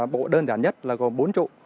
bộ đơn giản nhất là gồm bốn trụ